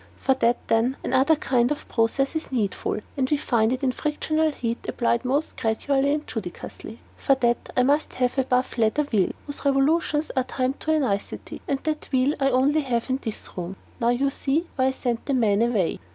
For that, then, another kind of process is needful, and we find it in frictional heat applied most gradually and judiciously. For that I must have a buff leather wheel, whose revolutions are timed to a nicety, and that wheel I only have in this room. Now you see why I sent the men away."